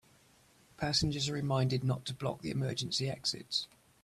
Passengers are reminded not to block the emergency exits.